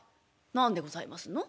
何でございますの？